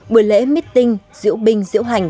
bữa lễ meeting diễu binh diễu hành